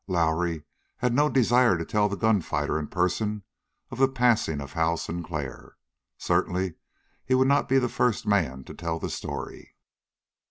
Lowrie had no desire to tell the gunfighter in person of the passing of Hal Sinclair. Certainly he would not be the first man to tell the story.